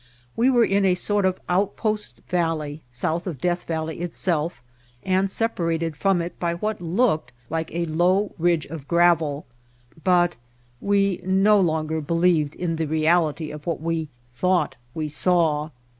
We were in a sort of out post valley south of Death Valley itself, and separated from it by what looked like a low ridge of gravel, but we no longer believed in the reality of what we thought we saw.